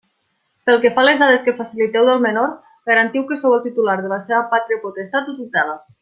Pel que fa a les dades que faciliteu del menor, garantiu que sou el titular de la seva pàtria potestat o tutela.